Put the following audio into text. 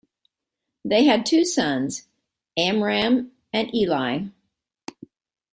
They had two sons: Amram and Eli.